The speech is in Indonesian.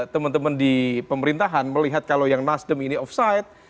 teman teman di pemerintahan melihat kalau yang nasdem ini offside